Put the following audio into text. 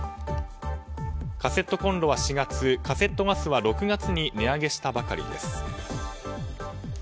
カセットコンロは４月カセットガスは６月に値上げしたばかりです。